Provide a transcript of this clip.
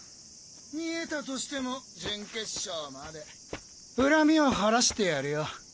見えたとしても準決勝まで恨みを晴らしてやるよ。